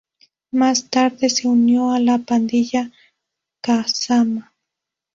Más tarde se unió a la pandilla Kazama.